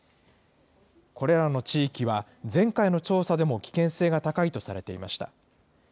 これらの地域は、前回の調査でも危険性が高いとされていました。